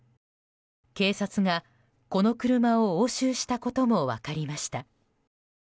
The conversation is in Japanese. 警察がこの車を押収したことも分かりました。